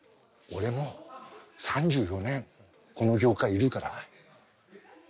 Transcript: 俺も３４年この業界いるから。